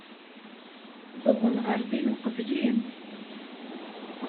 Uwḍen ɣer din uqbel-im.